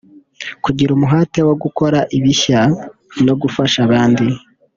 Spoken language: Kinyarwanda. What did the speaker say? Kugira umuhate wo gukora ibishya no gufasha abandi